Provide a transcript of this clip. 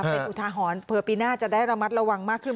เป็นอุทาหรณ์เผื่อปีหน้าจะได้ระมัดระวังมากขึ้น